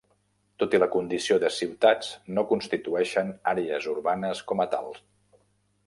Tot i la condició de ciutats, no constitueixen àrees urbanes com a tal.